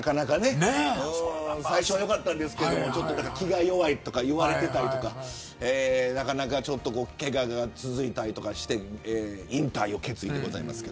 最初は良かったですけど気が弱いとか言われたりなかなかちょっとけがが続いたりして引退を決意です。